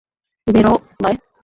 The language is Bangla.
বেরও, ভাই।